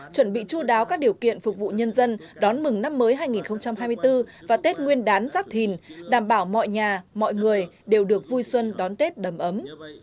chuẩn bị chú đáo các điều kiện phục vụ nhân dân đón mừng năm mới hai nghìn hai mươi bốn và tết nguyên đán giáp thìn đảm bảo mọi nhà mọi người đều được vui xuân đón tết đầm ấm